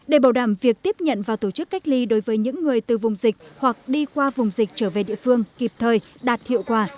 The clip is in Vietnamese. để bảo đảm việc tiếp nhận và tổ chức cách ly đối với những người từ vùng dịch hoặc đi qua vùng dịch trở về địa phương kịp thời đạt hiệu quả